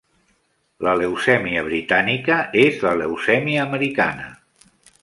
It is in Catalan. La leucèmia britànica és la leucèmia americana.